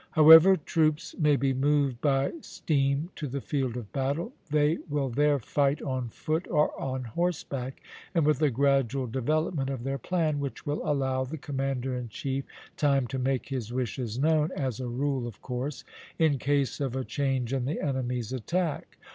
However troops may be moved by steam to the field of battle, they will there fight on foot or on horseback, and with a gradual development of their plan, which will allow the commander in chief time to make his wishes known (as a rule, of course), in case of a change in the enemy's attack.